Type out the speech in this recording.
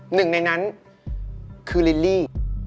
หนึ่งในนั้นคือลิลลี่